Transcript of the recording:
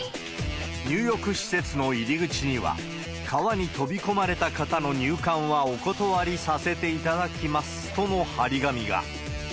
入浴施設の入り口には、川に飛び込まれた方の入館はお断りさせていただきますとの貼り紙が。